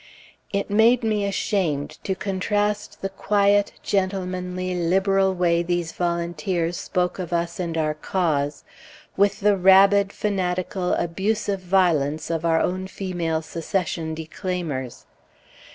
It made me ashamed to contrast the quiet, gentlemanly, liberal way these volunteers spoke of us and our cause, with the rabid, fanatical, abusive violence of our own female Secession declaimers.